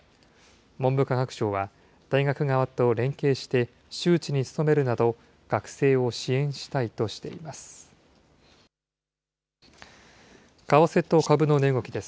文部科学省は、大学側と連携して、周知に努めるなど、学生を支援したいとしています。